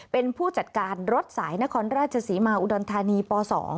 เป็นผู้จัดการรถสายนครราชศรีมาอุดรธานีป๒